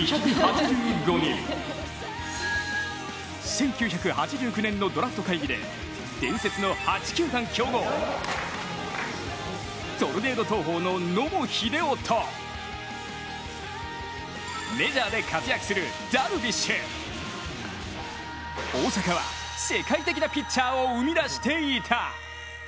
そして、頂点は１９８９年のドラフト会議で伝説の８球団競合トルネード投法の野茂英雄とメジャーで活躍するダルビッシュ、大阪は世界的なピッチャーを生み出していた。